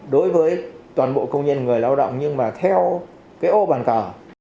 đối với toàn bộ công nhân người lao động nhưng mà theo cái ô bàn cờ